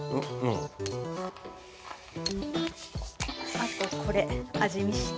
あとこれ味見して。